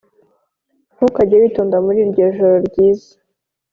ntukajye witonda muri iryo joro ryiza,